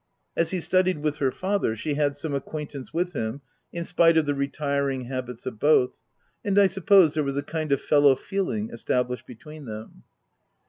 As he studied with her father, she had some acquaintance with him, in spite of the retiring habits of both, and I suppose there was a kind of fellow feeling established between them.